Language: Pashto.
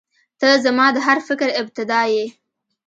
• ته زما د هر فکر ابتدا یې.